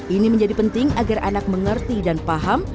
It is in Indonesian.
ini menjadi penting agar anak mengerti dan paham